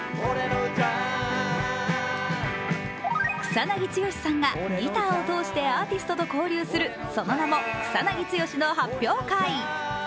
草なぎ剛さんがギターを通してアーティストと交流するその名も「草なぎ剛のはっぴょう会」。